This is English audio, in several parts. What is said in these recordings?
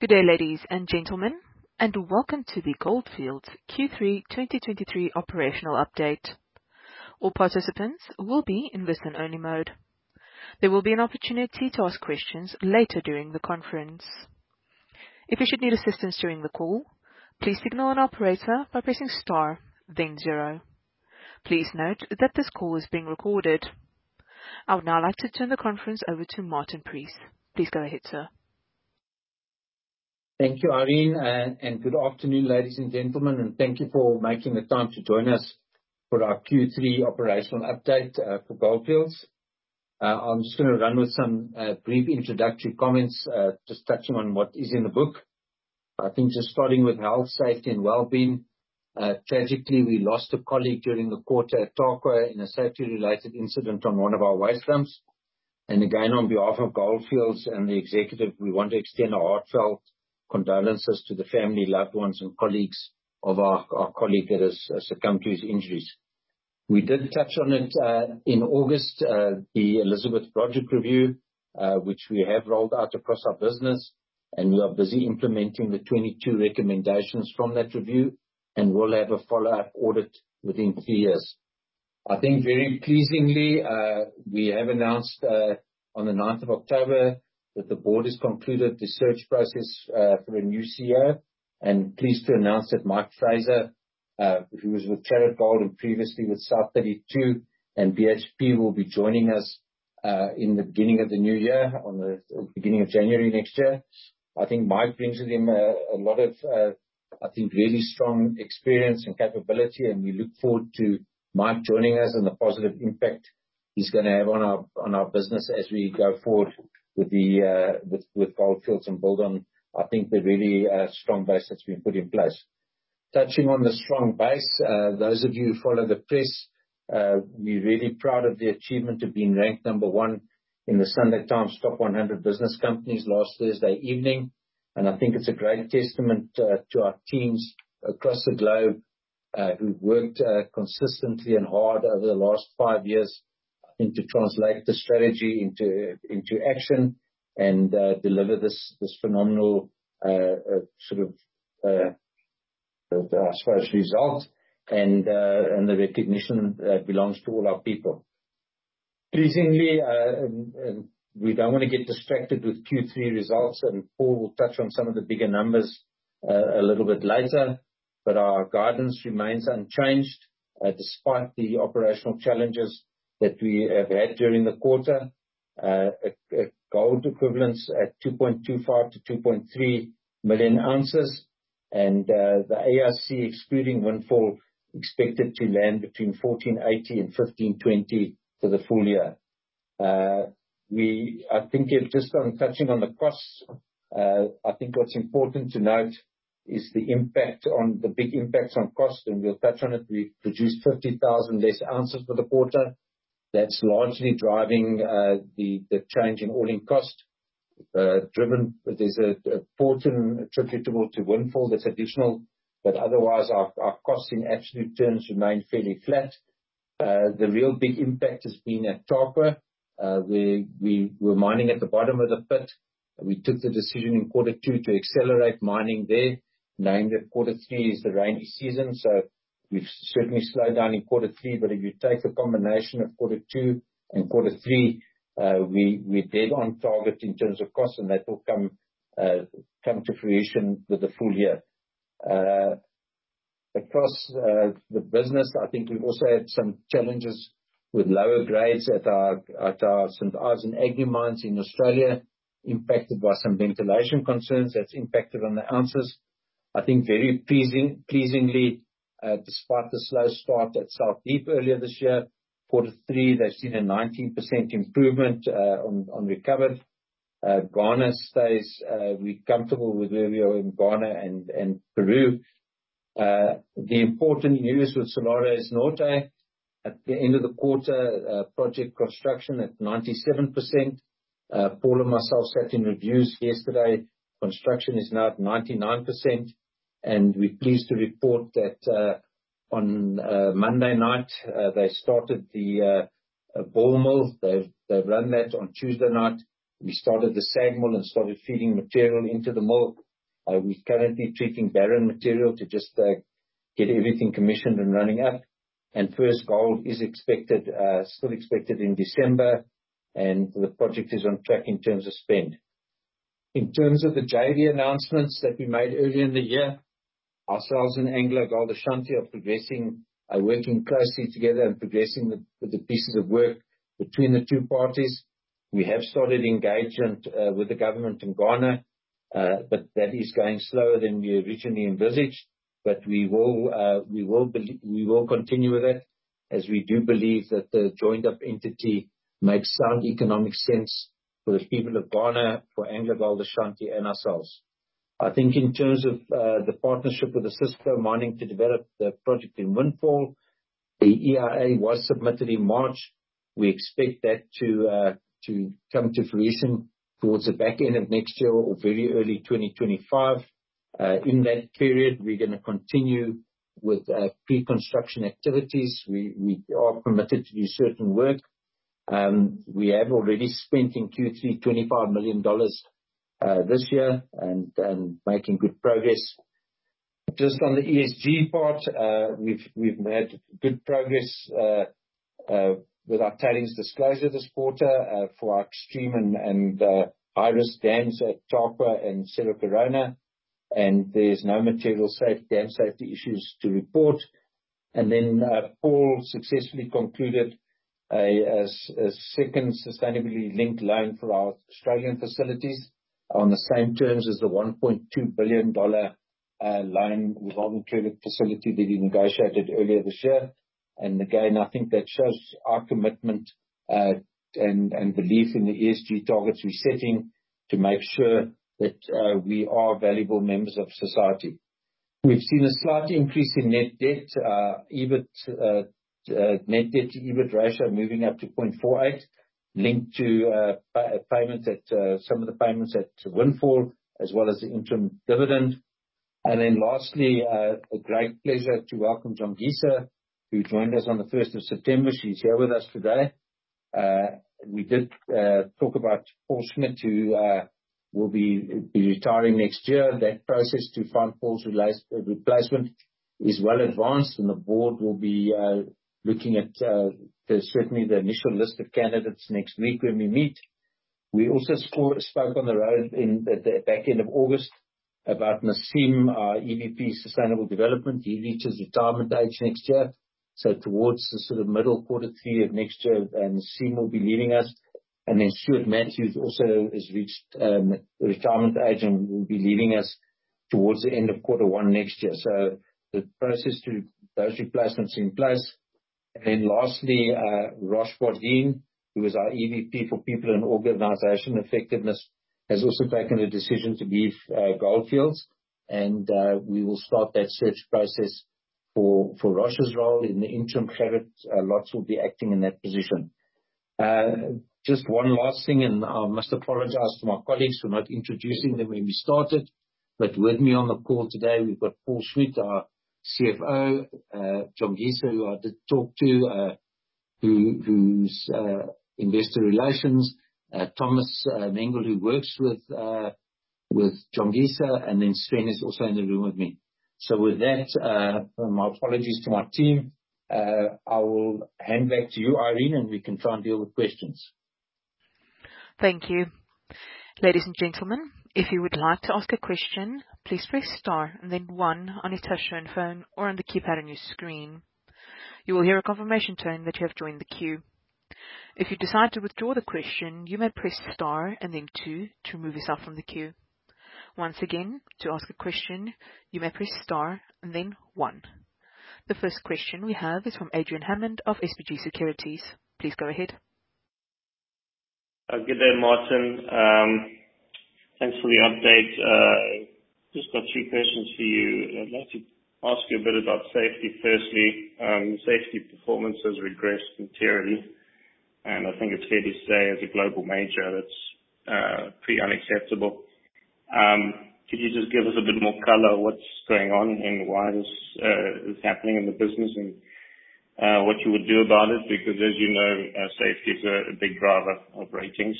Good day, ladies and gentlemen, and welcome to the Gold Fields Q3 2023 operational update. All participants will be in listen-only mode. There will be an opportunity to ask questions later during the conference. If you should need assistance during the call, please signal an operator by pressing star then zero. Please note that this call is being recorded. I would now like to turn the conference over to Martin Preece. Please go ahead, sir. Thank you, Irene, and good afternoon, ladies and gentlemen, and thank you for making the time to join us for our Q3 operational update for Gold Fields. I'm just gonna run with some brief introductory comments, just touching on what is in the book. I think just starting with health, safety, and well-being, tragically, we lost a colleague during the quarter at Tarkwa in a safety-related incident on one of our waste dumps. And again, on behalf of Gold Fields and the executive, we want to extend our heartfelt condolences to the family, loved ones, and colleagues of our, our colleague that has succumbed to his injuries. We did touch on it, in August, the Elizabeth Project review, which we have rolled out across our business, and we are busy implementing the 22 recommendations from that review, and we'll have a follow-up audit within 3 years. I think very pleasingly, we have announced, on the 9th of October that the board has concluded the search process, for a new CEO, and pleased to announce that Mike Fraser, who was with Chaarat Gold and previously with South32 and BHP, will be joining us, in the beginning of the new year, on the beginning of January next year. I think Mike brings with him a lot of, I think, really strong experience and capability, and we look forward to Mike joining us and the positive impact he's gonna have on our business as we go forward with Gold Fields and build on, I think, the really strong base that's been put in place. Touching on the strong base, those of you who follow the press, we're really proud of the achievement of being ranked number 1 in the Sunday Times Top 100 Business Companies last Thursday evening, and I think it's a great testament to our teams across the globe, who've worked consistently and hard over the last 5 years, I think, to translate the strategy into action and deliver this phenomenal sort of as far as results and the recognition belongs to all our people. Pleasingly, we don't wanna get distracted with Q3 results, and Paul will touch on some of the bigger numbers a little bit later. But our guidance remains unchanged despite the operational challenges that we have had during the quarter. A gold equivalence at 2.25-2.3 million ounces, and the AIC, excluding Windfall, expected to land between $1,480-$1,520 for the full year. I think if just on touching on the costs, I think what's important to note is the impact on the big impacts on cost, and we'll touch on it. We produced 50,000 less ounces for the quarter. That's largely driving the change in all-in cost. Driven, there's a portion attributable to Windfall that's additional, but otherwise our costs in absolute terms remain fairly flat. The real big impact has been at Tarkwa, where we were mining at the bottom of the pit. We took the decision in Q2 to accelerate mining there, knowing that Q3 is the rainy season, so we've certainly slowed down in Q3. But if you take the combination of Q2 and Q3, we're dead on target in terms of cost, and that will come to fruition with the full year. Across the business, I think we've also had some challenges with lower grades at our St Ives and Agnew mines in Australia, impacted by some ventilation concerns. That's impacted on the ounces. I think very pleasingly, despite the slow start at South Deep earlier this year, Q3, they've seen a 19% improvement on recovery. Ghana stays, we're comfortable with where we are in Ghana and Peru. The important news with Salares Norte. At the end of the quarter, project construction at 97%. Paul and myself sat in reviews yesterday. Construction is now at 99%, and we're pleased to report that on Monday night, they started the Ball Mill. They've run that on Tuesday night. We started the SAG mill and started feeding material into the mill. We're currently treating barren material to just get everything commissioned and running up, and first gold is expected, still expected in December, and the project is on track in terms of spend. In terms of the JV announcements that we made earlier in the year, ourselves and AngloGold Ashanti are progressing, working closely together and progressing with the pieces of work between the two parties. We have started engagement with the government in Ghana, but that is going slower than we originally envisaged. But we will, we will continue with it, as we do believe that the joined up entity makes sound economic sense for the people of Ghana, for AngloGold Ashanti, and ourselves. I think in terms of, the partnership with the Osisko Mining to develop the project in Windfall, the EIA was submitted in March. We expect that to come to fruition towards the back end of next year or very early 2025. In that period, we're gonna continue with pre-construction activities. We are permitted to do certain work. We have already spent, in Q3, $25 million this year, and making good progress. Just on the ESG part, we've made good progress with our tailings disclosure this quarter, for our extreme and high-risk dams at Tarkwa and Cerro Corona, and there's no material dam safety issues to report. Paul successfully concluded a second sustainability-linked loan for our Australian facilities on the same terms as the $1.2 billion revolving credit facility that he negotiated earlier this year. And again, I think that shows our commitment and belief in the ESG targets we're setting, to make sure that we are valuable members of society. We've seen a slight increase in net debt to EBIT ratio moving up to 0.48, linked to payments at some of the payments at Windfall, as well as the interim dividend. And then lastly, a great pleasure to welcome Jongisa, who joined us on the first of September. She's here with us today. We did talk about Paul Schmidt, who will be retiring next year. That process to find Paul's replacement is well advanced, and the board will be looking at certainly the initial list of candidates next week when we meet. We also spoke on the road in at the back end of August about Naseem, our EVP Sustainable Development. He reaches retirement age next year, so towards the sort of middle Q3 of next year, Naseem will be leaving us. And then Stuart Matthews also has reached retirement age, and will be leaving us towards the end of Q1 next year. So, the process to those replacements in place. Then lastly, Rosh Bardien, who is our EVP for People and Organization Effectiveness, has also taken a decision to leave Gold Fields, and we will start that search process for Rosh's role. In the interim, Gerrit Lotz will be acting in that position. Just one last thing, and I must apologize to my colleagues for not introducing them when we started, but with me on the call today, we've got Paul Schmidt, our CFO, Jongisa, who I did talk to, who is Investor Relations, Thomas Mengel, who works with Jongisa, and then Sven is also in the room with me. So with that, my apologies to my team. I will hand back to you, Irene, and we can start to deal with questions. Thank you. Ladies and gentlemen, if you would like to ask a question, please press star and then 1 on your touchtone phone or on the keypad on your screen. You will hear a confirmation tone that you have joined the queue. If you decide to withdraw the question, you may press star and then 2 to remove yourself from the queue. Once again, to ask a question, you may press star and then 1. The first question we have is from Adrian Hammond of SBG Securities. Please go ahead. Good day, Martin. Thanks for the update. Just got three questions for you. I'd like to ask you a bit about safety, firstly. Safety performance has regressed materially, and I think it's fair to say, as a global major, that's pretty unacceptable. Could you just give us a bit more color on what's going on, and why this is happening in the business, and what you would do about it? Because, as you know, safety is a big driver of ratings.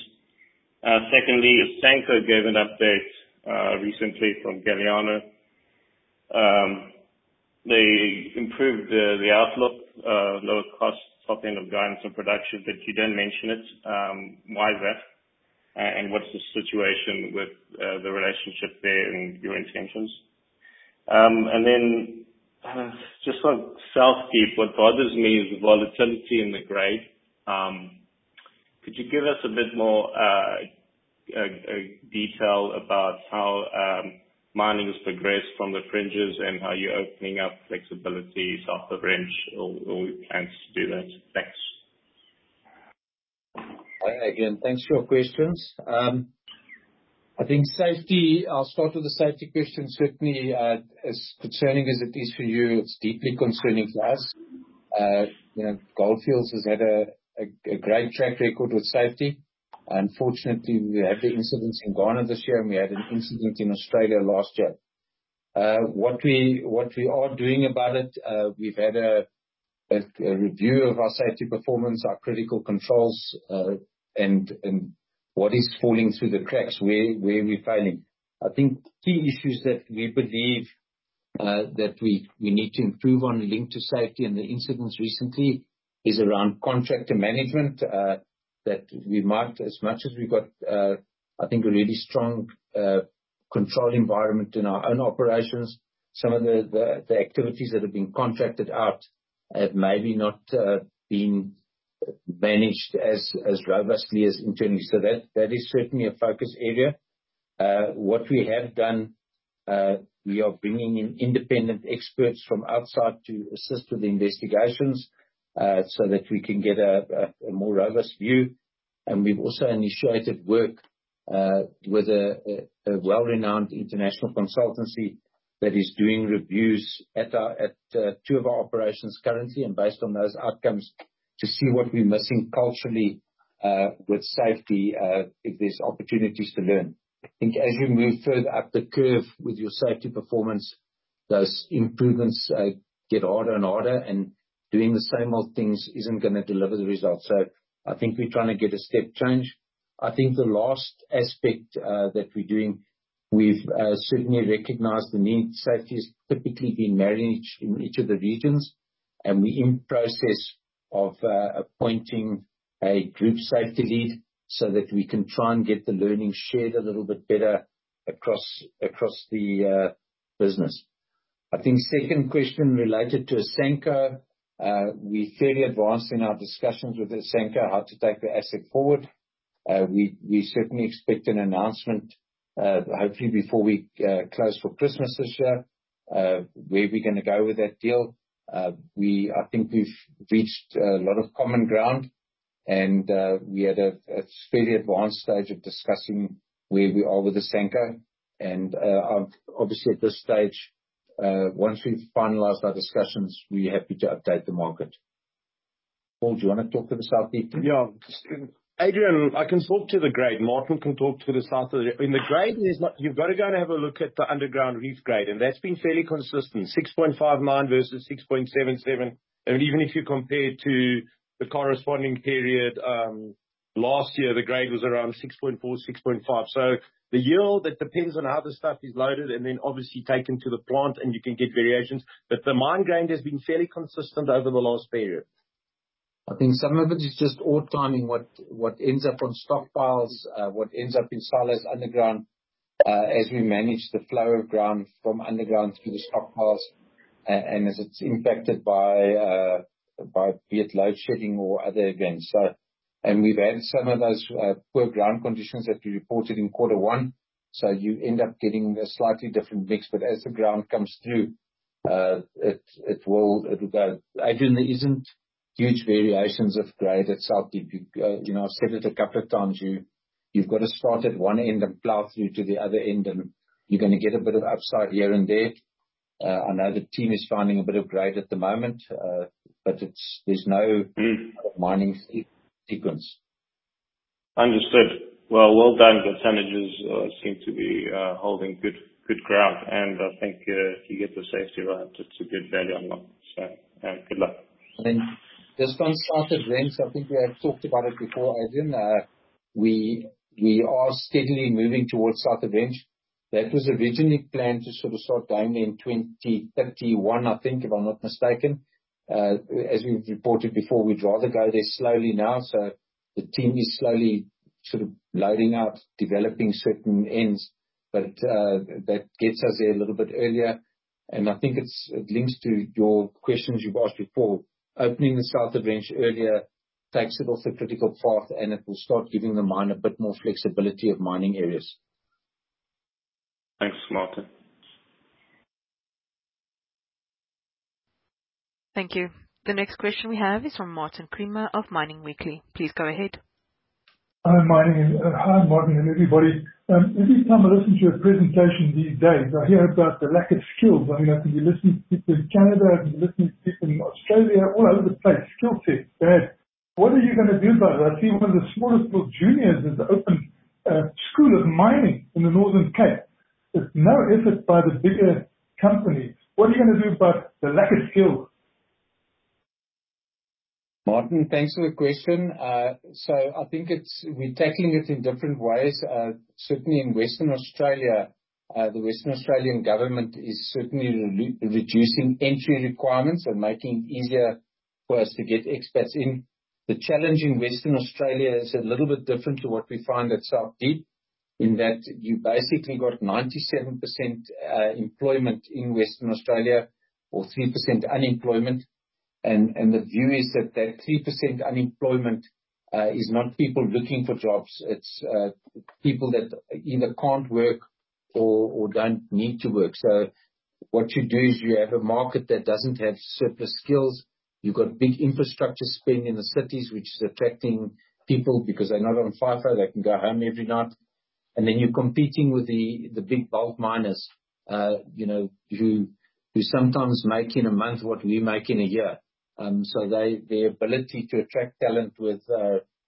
Secondly, Asanko gave an update recently from Ghana. They improved the outlook. Lower costs, top end of guidance and production, but you don't mention it. Why is that, and what's the situation with the relationship there, and your intentions? And then, just on South Deep, what bothers me is the volatility in the grade. Could you give us a bit more detail about how mining has progressed from the fringes, and are you opening up flexibility off the fringe or plans to do that? Thanks. Hi again. Thanks for your questions. I think safety... I'll start with the safety question. Certainly, as concerning as it is for you, it's deeply concerning to us. You know, Gold Fields has had a great track record with safety. Unfortunately, we had the incidents in Ghana this year, and we had an incident in Australia last year. What we are doing about it, we've had a review of our safety performance, our critical controls, and what is falling through the cracks, where are we failing? I think key issues that we believe that we need to improve on linked to safety and the incidents recently is around contractor management. That we might, as much as we've got, I think a really strong control environment in our own operations, some of the activities that have been contracted out have maybe not been managed as robustly as internally. So that is certainly a focus area. What we have done, we are bringing in independent experts from outside to assist with the investigations, so that we can get a more robust view. And we've also initiated work with a well-renowned international consultancy that is doing reviews at our- at two of our operations currently, and based on those outcomes, to see what we're missing culturally with safety, if there's opportunities to learn. I think as you move further up the curve with your safety performance-... Those improvements get harder and harder, and doing the same old things isn't gonna deliver the results. So, I think we're trying to get a step change. I think the last aspect that we're doing, we've certainly recognized the need. Safety has typically been managed in each of the regions, and we're in process of appointing a group safety lead, so that we can try and get the learning shared a little bit better across the business. I think second question related to Asanko, we're fairly advanced in our discussions with Asanko, how to take the asset forward. We certainly expect an announcement, hopefully before we close for Christmas this year, where we're gonna go with that deal. I think we've reached a lot of common ground, and we are at a fairly advanced stage of discussing where we are with Asanko. And obviously, at this stage, once we've finalized our discussions, we're happy to update the market. Paul, do you want to talk to the South Deep? Yeah. Adrian, I can talk to the grade, Martin can talk to the South. In the grade, there's not- you've gotta go and have a look at the underground reef grade, and that's been fairly consistent, 6.5 mine versus 6.77. And even if you compare it to the corresponding period, last year, the grade was around 6.4, 6.5. So the yield, that depends on how the stuff is loaded, and then obviously taken to the plant, and you can get variations. But the mine grade has been fairly consistent over the last period. I think some of it is just ore timing, what ends up on stockpiles, what ends up in silos underground, as we manage the flow of ground from underground through the stockpiles, and as it's impacted by, by be it load shedding or other events. And we've had some of those, poor ground conditions that we reported in Q1, so you end up getting a slightly different mix. But as the ground comes through, it'll go. Adrian, there isn't huge variations of grade at South Deep. You know, I've said it a couple of times, you've got to start at one end and plow through to the other end, and you're gonna get a bit of upside here and there. I know the team is finding a bit of grade at the moment, but there's no mining sequence. Understood. Well, well done. The percentages seem to be holding good, good ground, and I think if you get the safety right, it's a good value unlock. So, good luck. Just on South of Wrench, I think we have talked about it before, Adrian. We are steadily moving towards South of Wrench. That was originally planned to sort of start down in 2031, I think, if I'm not mistaken. As we've reported before, we'd rather go there slowly now. So, the team is slowly sort of loading out, developing certain ends. But, that gets us there a little bit earlier, and I think it links to your questions you've asked before. Opening the South of Wrench earlier takes it off the critical path, and it will start giving the mine a bit more flexibility of mining areas. Thanks a lot. Thank you. The next question we have is from Martin Creamer of Mining Weekly. Please go ahead. Hi, Martin, and, hi, Martin and everybody. Every time I listen to your presentation these days, I hear about the lack of skills. I mean, if you listen to people in Canada, you listen to people in Australia, all over the place, skill set. But what are you gonna do about it? I see one of the smallest little juniors has opened a school of mining in the Northern Cape. There's no effort by the bigger companies. What are you gonna do about the lack of skills? Martin, thanks for the question. So I think it's we're tackling it in different ways. Certainly in Western Australia, the Western Australian government is certainly reducing entry requirements and making it easier for us to get expats in. The challenge in Western Australia is a little bit different to what we find at South Deep, in that you've basically got 97% employment in Western Australia, or 3% unemployment, and the view is that that 3% unemployment is not people looking for jobs, it's people that either can't work or don't need to work. So what you do is you have a market that doesn't have surplus skills. You've got big infrastructure spend in the cities, which is attracting people, because they're not on FIFO, they can go home every night. Then you're competing with the big bulk miners, you know, who sometimes make in a month what we make in a year. So their ability to attract talent with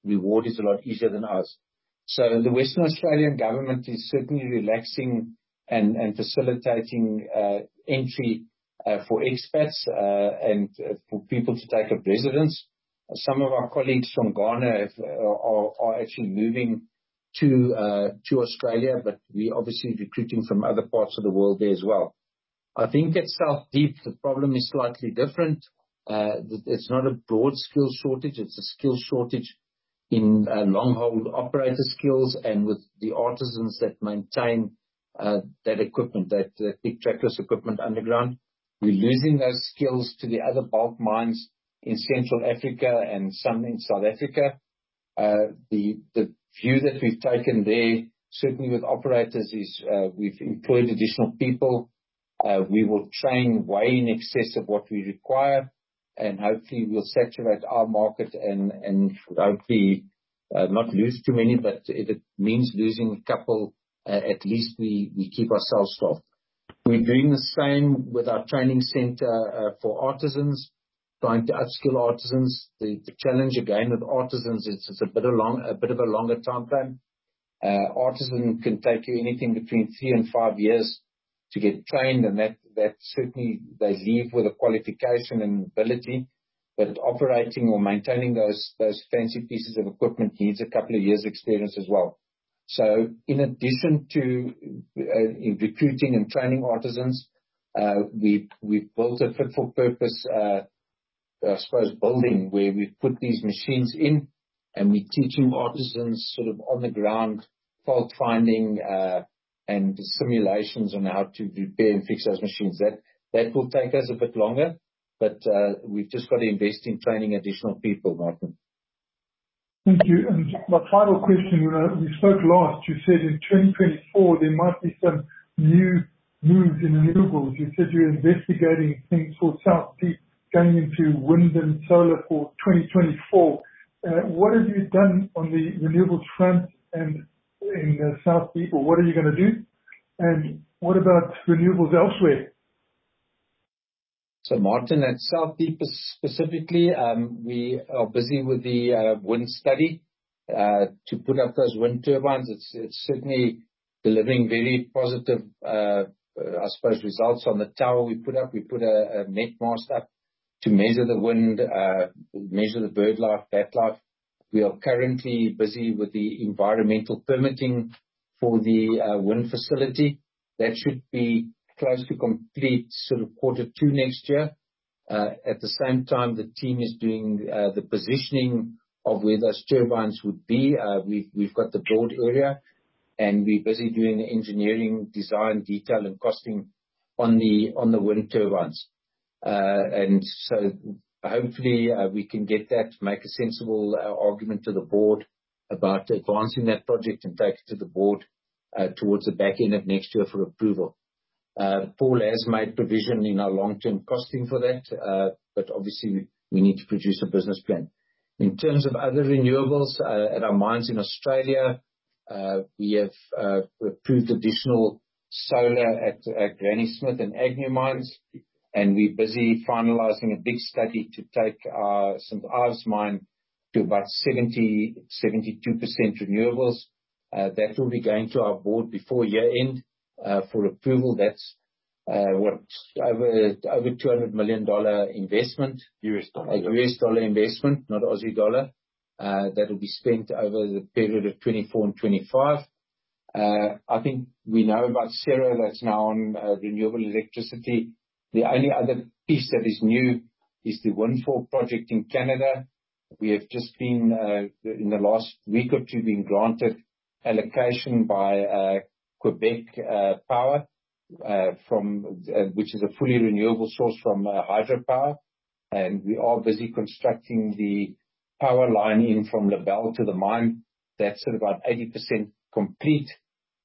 reward is a lot easier than us. So the Western Australian government is certainly relaxing and facilitating entry for expats and for people to take up residence. Some of our colleagues from Ghana are actually moving to Australia, but we're obviously recruiting from other parts of the world there as well. I think at South Deep, the problem is slightly different. It's not a broad skill shortage, it's a skill shortage in long-hole operator skills, and with the artisans that maintain that equipment, that big trackless equipment underground. We're losing those skills to the other bulk mines in Central Africa and some in South Africa. The view that we've taken there, certainly with operators, is, we've employed additional people. We will train way in excess of what we require, and hopefully we'll saturate our market, and hopefully, not lose too many, but if it means losing a couple, at least we keep ourselves staffed. We're doing the same with our training center for artisans, trying to upskill artisans. The challenge, again, with artisans is it's a bit of a longer timeframe. Artisan can take you anything between 3 and 5 years to get trained, and that certainly they leave with a qualification and ability. But operating or maintaining those fancy pieces of equipment needs a couple of years' experience as well. So in addition to recruiting and training artisans, we've built a fit-for-purpose, I suppose, building, where we put these machines in, and we're teaching artisans sort of on the ground fault finding and simulations on how to repair and fix those machines. That will take us a bit longer, but we've just got to invest in training additional people, Martin. Thank you. My final question, we spoke last, you said in 2024 there might be some new moves in renewables. You said you're investigating things for South Deep, going into wind and solar for 2024. What have you done on the renewables front and in South Deep, or what are you gonna do? And what about renewables elsewhere? So, Martin, at South Deep specifically, we are busy with the wind study. To put up those wind turbines, it's certainly delivering very positive, I suppose, results on the tower we put up. We put a net mast up to measure the wind, measure the bird life, bat life. We are currently busy with the environmental permitting for the wind facility. That should be close to complete sort of Q2 next year. At the same time, the team is doing the positioning of where those turbines would be. We've got the broad area, and we're busy doing the engineering, design, detail, and costing on the wind turbines. And so hopefully, we can get that, make a sensible argument to the board about advancing that project, and take it to the board towards the back end of next year for approval. Paul has made provision in our long-term costing for that, but obviously we need to produce a business plan. In terms of other renewables, at our mines in Australia, we have approved additional solar at Granny Smith and Emu mines, and we're busy finalizing a big study to take St Ives mine to about 70%-72% renewables. That will be going to our board before year-end for approval. That's over $200 million investment. U.S. dollars. U.S. dollar investment, not Aussie dollar. That will be spent over the period of 2024 and 2025. I think we know about Sierra, that's now on renewable electricity. The only other piece that is new is the Windfall project in Canada. We have just been in the last week or two been granted allocation by Hydro-Québec from which is a fully renewable source from hydropower. And we are busy constructing the power line in from Lebel to the mine. That's at about 80% complete.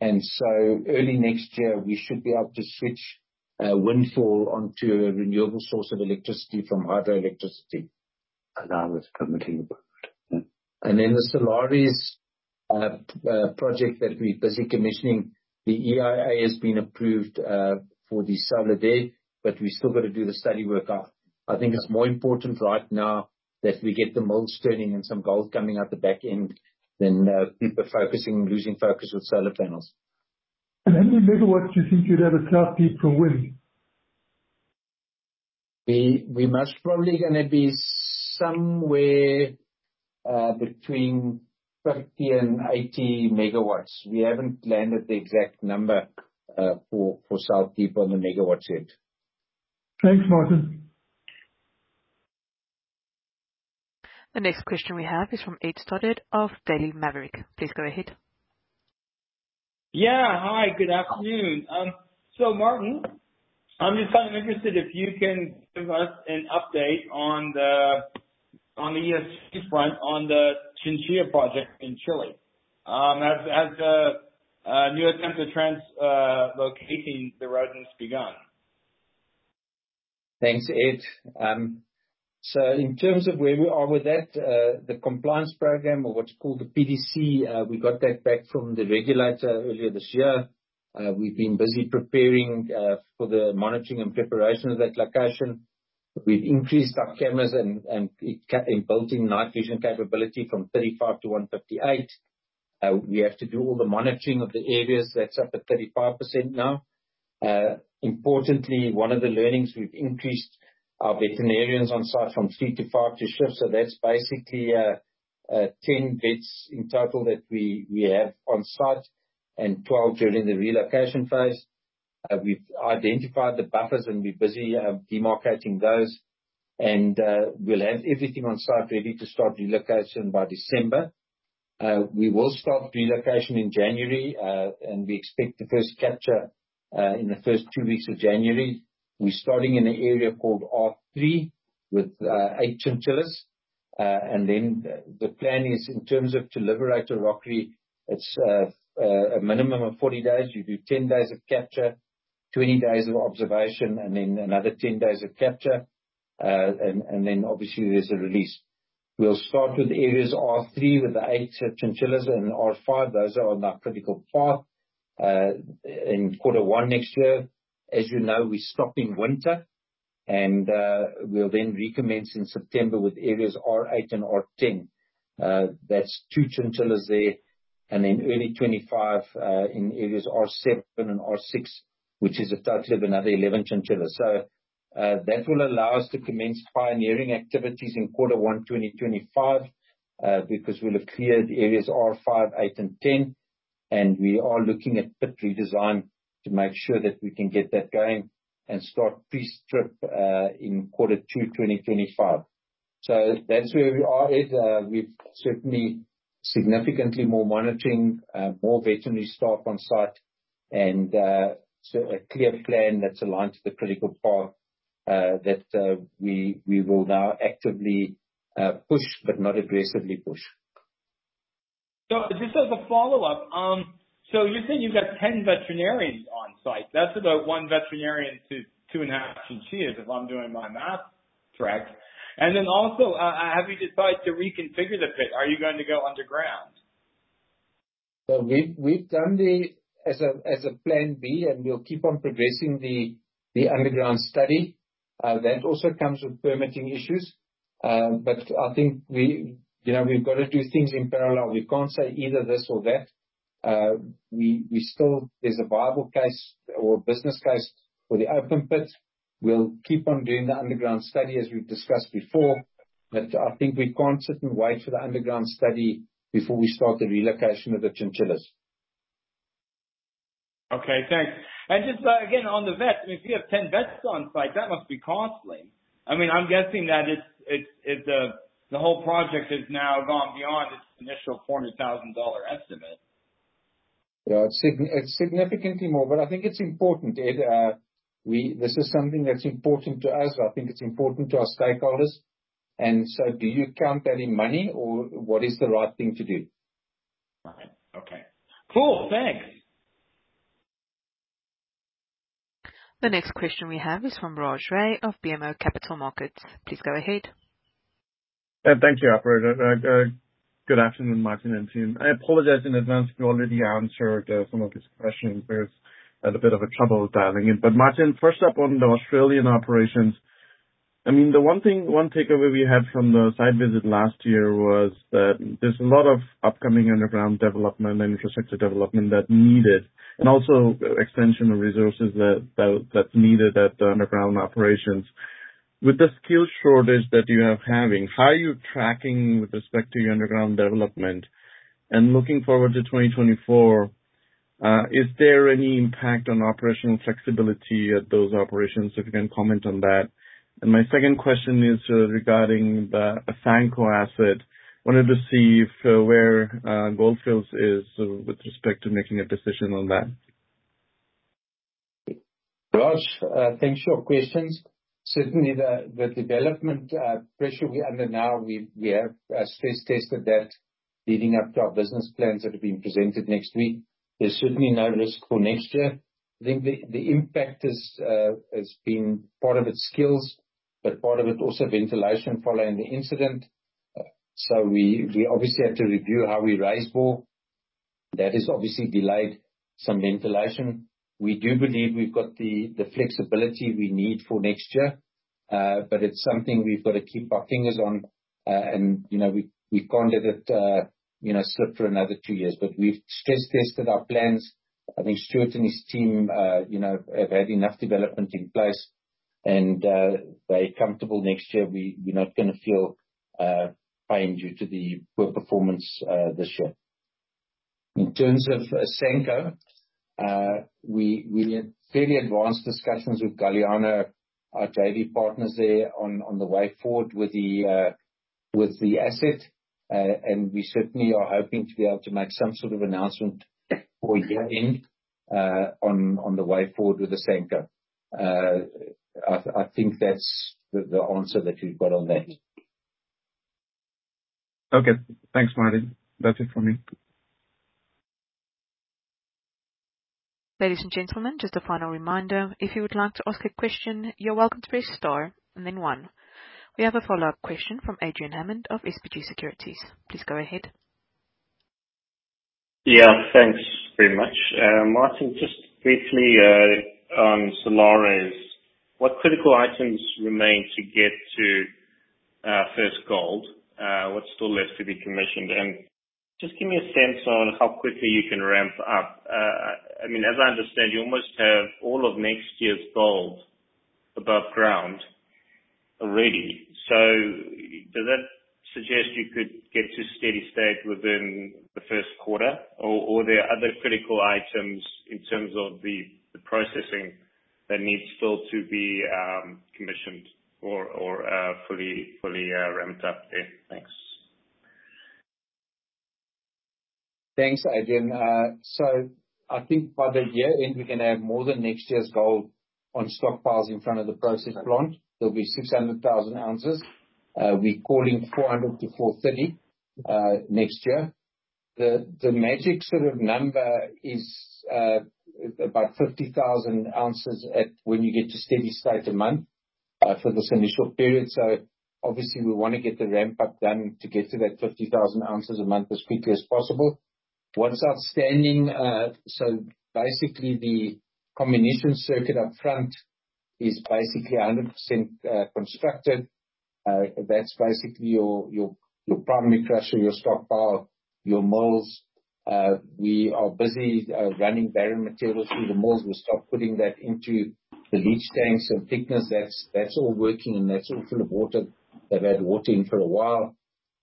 And so early next year, we should be able to switch Windfall onto a renewable source of electricity from hydroelectricity. And now it's completely approved. Then the Salares project that we're busy commissioning, the EIA has been approved for the Salares, but we've still got to do the study workout. I think it's more important right now that we get the mills turning and some gold coming out the back end, than people focusing, losing focus with solar panels. How many megawatts you think you'd have at South Deep for wind? We most probably gonna be somewhere between 30 and 80 M-W. We haven't landed the exact number for South Deep on the megawatts yet. Thanks, Martin. The next question we have is from Ed Stoddard of Daily Maverick. Please go ahead. Yeah. Hi, good afternoon. So Martin, I'm just kind of interested, if you can give us an update on the ESG front, on the Chinchilla project in Chile. Has a new attempt at translocating the rodents begun? Thanks, Ed. So in terms of where we are with that, the compliance program, or what's called the PDC, we got that back from the regulator earlier this year. We've been busy preparing for the monitoring and preparation of that location. We've increased our cameras and built in night vision capability from 35-158. We have to do all the monitoring of the areas, that's up at 35% now. Importantly, one of the learnings, we've increased our veterinarians on site from 3-5 to shift. So that's basically 10 vets in total that we have on site, and 12 during the relocation phase. We've identified the buffers, and we're busy demarcating those. We'll have everything on site ready to start relocation by December. We will start relocation in January, and we expect the first capture in the first 2 weeks of January. We're starting in an area called R3, with 8 chinchillas. And then the plan is in terms of to liberate a rockery, it's a minimum of 40 days. You do 10 days of capture, 20 days of observation, and then another 10 days of capture. And then obviously there's a release. We'll start with areas R3, with the 8 chinchillas in R5, those are on our critical path. In Q1 next year, as you know, we stop in winter, and we'll then recommence in September with areas R8 and R10. That's 2 chinchillas there, and in early 2025, in areas R7 and R6, which is a total of another 11 chinchillas. So, that will allow us to commence pioneering activities in Q1 2025, because we'll have cleared areas R5, 8, and 10, and we are looking at pit redesign to make sure that we can get that going, and start pre-strip, in Q2 2025. So that's where we are, Ed. We've certainly significantly more monitoring, more veterinary staff on site, and, so a clear plan that's aligned to the critical path, that we will now actively push, but not aggressively push. So just as a follow-up, so you said you've got 10 veterinarians on site. That's about one veterinarian to 2.5 chinchillas, if I'm doing my math correct. And then also, have you decided to reconfigure the pit? Are you going to go underground? So we've done as a plan B, and we'll keep on progressing the underground study. That also comes with permitting issues. But I think we—you know, we've got to do things in parallel. We can't say either this or that. We still—there's a viable case or business case for the open pit. We'll keep on doing the underground study, as we've discussed before, but I think we can't sit and wait for the underground study before we start the relocation of the chinchillas. Okay, thanks. And just, again, on the vet, if you have 10 vets on site, that must be costly. I mean, I'm guessing that it's the whole project has now gone beyond its initial $400,000 estimate. Yeah. It's significantly more, but I think it's important, Ed. This is something that's important to us. I think it's important to our stakeholders, and so do you count any money, or what is the right thing to do? Right. Okay. Cool. Thanks! The next question we have is from Raj Ray of BMO Capital Markets. Please go ahead. Thank you, operator. Good afternoon, Martin and team. I apologize in advance if you already answered some of these questions. There's a bit of a trouble dialing in. But Martin, first up, on the Australian operations, I mean, the one thing, one takeaway we had from the site visit last year was that there's a lot of upcoming underground development and infrastructure development that's needed, and also extension of resources that's needed at the underground operations. With the skill shortage that you are having, how are you tracking with respect to your underground development? And looking forward to 2024, is there any impact on operational flexibility at those operations, if you can comment on that? And my second question is, regarding the Asanko asset. Wanted to see if Gold Fields is with respect to making a decision on that. Raj, thanks for your questions. Certainly the development pressure we're under now, we have stress-tested that leading up to our business plans that are being presented next week. There's certainly no risk for next year. I think the impact is has been part of it skills, but part of it also ventilation following the incident. So we obviously had to review how we raise bore. That has obviously delayed some ventilation. We do believe we've got the flexibility we need for next year, but it's something we've got to keep our fingers on. And, you know, we can't let it, you know, slip for another 2 years. But we've stress-tested our plans. I think Stuart and his team, you know, have had enough development in place and, very comfortable next year we're not gonna feel pained due to the poor performance this year. In terms of Asanko, we had fairly advanced discussions with Galiano, our JV partners there, on the way forward with the asset. And we certainly are hoping to be able to make some sort of announcement before year-end, on the way forward with Asanko. I think that's the answer that you've got on that. Okay, thanks, Martin. That's it from me. Ladies and gentlemen, just a final reminder, if you would like to ask a question, you're welcome to press star and then one. We have a follow-up question from Adrian Hammond of SBG Securities. Please go ahead. Yeah, thanks very much. Martin, just briefly, on Salares Norte, what critical items remain to get to first gold? What's still left to be commissioned? And just give me a sense on how quickly you can ramp up. I mean, as I understand, you almost have all of next year's gold above ground already, so does that suggest you could get to steady state within the Q1, or there are other critical items in terms of the processing that needs still to be commissioned or fully ramped up there? Thanks. Thanks, Adrian. So I think by the year end, we're gonna have more than next year's gold on stockpiles in front of the process plant. There'll be 600,000 ounces. We're calling 400-430 next year. The magic sort of number is about 50,000 ounces at when you get to steady state a month for this initial period. So obviously we want to get the ramp-up done to get to that 50,000 ounces a month as quickly as possible. What's outstanding, so basically, the comminution circuit up front is basically 100% constructed. That's basically your primary crusher, your stockpile, your mills. We are busy running barren materials through the mills. We start putting that into the leach tanks and thickener. That's all working, and that's all full of water. They've had water in for a while.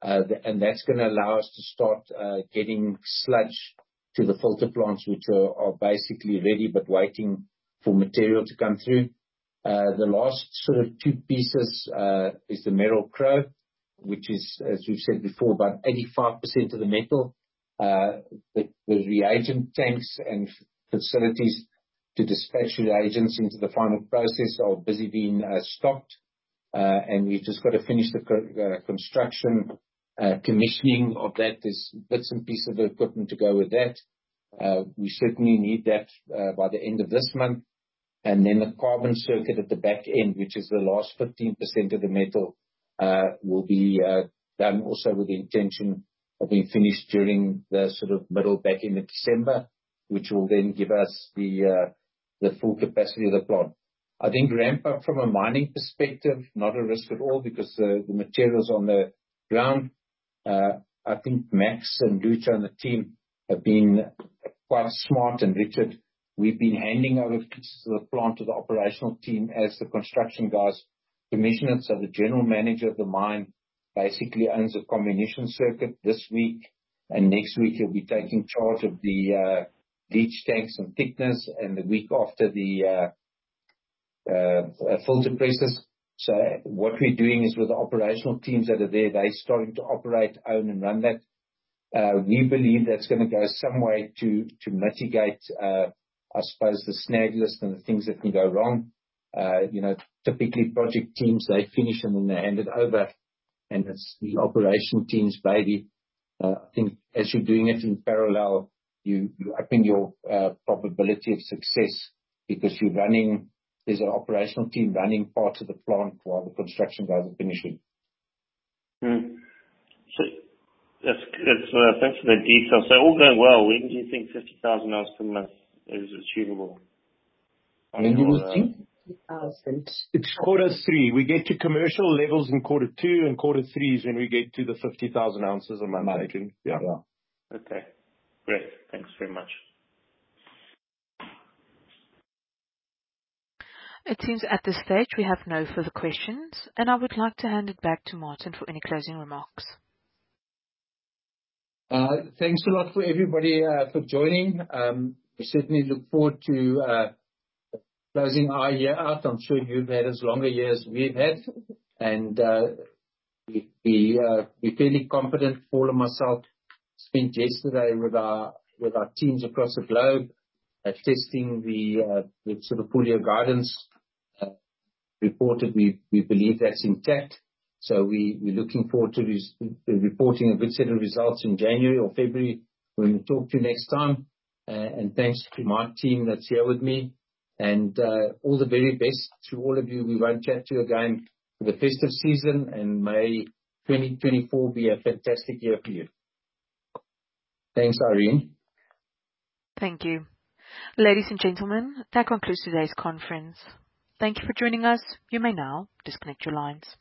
And that's gonna allow us to start getting sludge to the filter plants, which are basically ready, but waiting for material to come through. The last sort of two pieces is the Merrill-Crowe, which is, as we've said before, about 85% of the metal. The reagent tanks and facilities to dispatch reagents into the final process are busy being stocked. And we've just got to finish the construction. Commissioning of that, there's bits and pieces of equipment to go with that. We certainly need that by the end of this month. Then the carbon circuit at the back end, which is the last 15% of the metal, will be done also with the intention of being finished during the sort of middle, back end of December, which will then give us the full capacity of the plant. I think ramp up from a mining perspective, not a risk at all, because the material's on the ground. I think Max and Lucho and the team have been quite smart and rigid. We've been handing over pieces of the plant to the operational team as the construction guys commission it. So the general manager of the mine basically owns a comminution circuit this week, and next week he'll be taking charge of the leach tanks and thickener, and the week after, the filter presses. So what we're doing is, with the operational teams that are there, they're starting to operate, own, and run that. We believe that's gonna go some way to mitigate, I suppose, the snag list and the things that can go wrong. You know, typically project teams, they finish and then they hand it over, and it's the operational team's baby. I think as you're doing it in parallel, you open your probability of success, because you're running, there's an operational team running parts of the plant while the construction guys are finishing. Mm-hmm. So that's, that's... Thanks for the details. So all going well, when do you think 50,000 ounces a month is achievable? When do you think? 50,000. It's Q3. We get to commercial levels in Q2, and Q3 is when we get to the 50,000 ounces a month marking. Got it. Yeah. Okay. Great. Thanks very much. It seems at this stage we have no further questions, and I would like to hand it back to Martin for any closing remarks. Thanks a lot for everybody for joining. We certainly look forward to closing our year out. I'm sure you've had as long a year as we've had. And we, we're fairly confident, Paul and myself spent yesterday with our teams across the globe, testing the sort of full-year guidance report that we believe that's intact. So we're looking forward to reporting a good set of results in January or February when we talk to you next time. And thanks to my team that's here with me. All the very best to all of you we won't chat to again for the festive season, and may 2024 be a fantastic year for you. Thanks, Irene. Thank you. Ladies and gentlemen, that concludes today's conference. Thank you for joining us. You may now disconnect your lines.